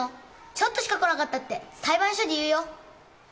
ちょっとしか来なかったって裁判所で言うよ。